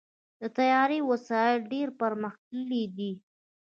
د طیارې وسایل ډېر پرمختللي دي.